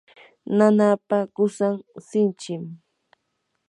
nanaapa qusan sinchim.